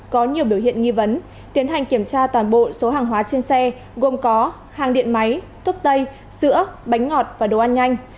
có nhiều biểu hiện nghi vấn tiến hành kiểm tra toàn bộ số hàng hóa trên xe gồm có hàng điện máy thuốc tây sữa bánh ngọt và đồ ăn nhanh